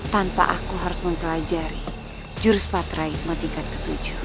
tanpa aku harus mempelajari jurus patra ikmat tingkat ke tujuh